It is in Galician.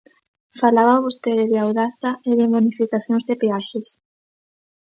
Falaba vostede de Audasa e de bonificacións de peaxes.